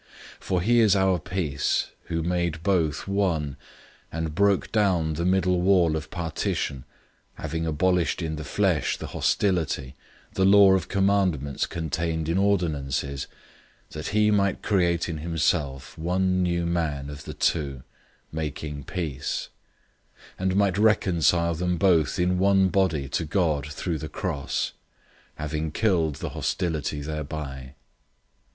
002:014 For he is our peace, who made both one, and broke down the middle wall of partition, 002:015 having abolished in the flesh the hostility, the law of commandments contained in ordinances, that he might create in himself one new man of the two, making peace; 002:016 and might reconcile them both in one body to God through the cross, having killed the hostility thereby.